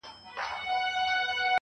• د شاعرۍ ياري كړم.